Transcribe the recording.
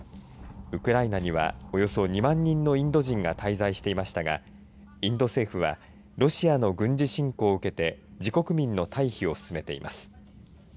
ウクライナには、およそ２万人のインド人が滞在していましたがインド政府はロシアの軍事侵攻を受けて自国民の退避を進めています。